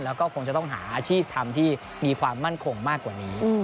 แล้วก็คงจะต้องหาอาชีพทำที่มีความมั่นคงมากกว่านี้